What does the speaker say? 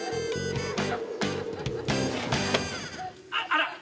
あら！